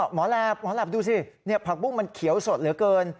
หมอแหลบหมอแหลบดูสิผักบุ้งมันเขียวสดเหลือเกิน